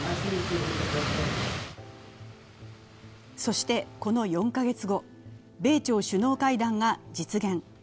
そして、この４カ月後、米朝首脳会談が実現。